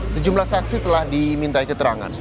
sejumlah saksi telah dimintai keterangan